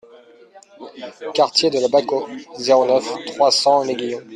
Quartier de la Baquo, zéro neuf, trois cents L'Aiguillon